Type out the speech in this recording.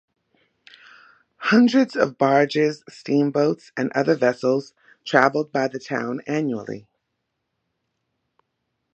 Hundreds of barges, steamboats, and other vessels traveled by the town annually.